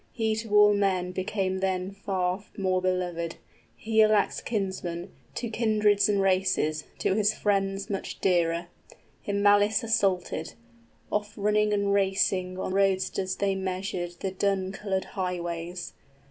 } He to all men became then far more beloved, Higelac's kinsman, to kindreds and races, To his friends much dearer; him malice assaulted. {The story is resumed.} 80 Oft running and racing on roadsters they measured The dun colored highways.